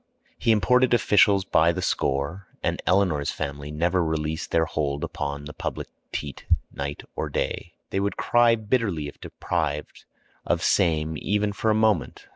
He imported officials by the score, and Eleanor's family never released their hold upon the public teat night or day. They would cry bitterly if deprived of same even for a moment.